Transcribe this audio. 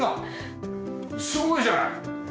すごいじゃない！